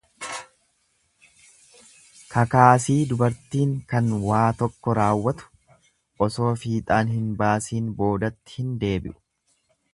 Kakaasii dubartiin kan waa tokko raawwatu osoo fiixaan hin baasiin boodatti hin deebi'u.